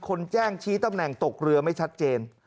คนแจ้งชี้ตำแหน่งตกเรือไม่ชัดเจน